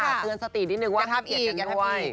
เตือนสติดินิดหนึ่งว่าถ้าเกียรติกันไม่ไหว